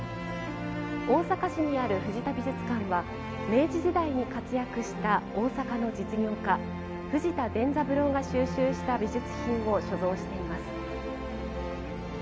大阪市にある藤田美術館は明治時代に活躍した大阪の実業家藤田傳三郎が収集した美術品を所蔵しています。